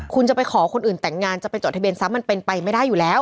คุณจะไปขอคนอื่นแต่งงานจะไปจดทะเบียนซ้ำมันเป็นไปไม่ได้อยู่แล้ว